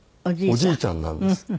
おじいちゃんなんです。